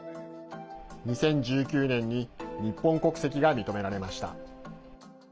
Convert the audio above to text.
２０１９年に日本国籍が認められました。